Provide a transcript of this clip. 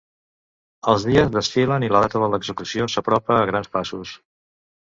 Els dies desfilen i la data de l'execució s'apropa a grans passos.